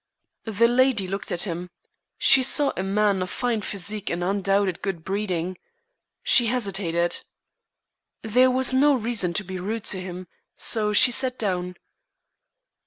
The lady looked at him. She saw a man of fine physique and undoubted good breeding. She hesitated. There was no reason to be rude to him, so she sat down.